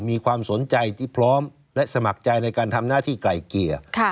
มีความสนใจที่พร้อมและสมัครใจในการทำหน้าที่ไกล่เกลี่ย